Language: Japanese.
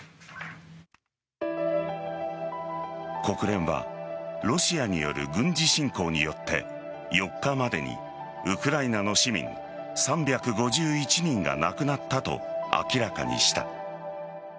国連はロシアによる軍事侵攻によって４日までにウクライナの市民３５１人が亡くなったと明らかにした。